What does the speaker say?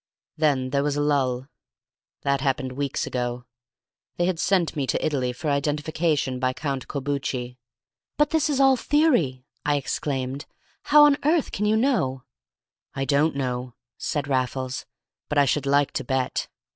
Then there was a lull—that happened weeks ago. They had sent me to Italy for identification by Count Corbucci." "But this is all theory," I exclaimed. "How on earth can you know?" "I don't know," said Raffles, "but I should like to bet.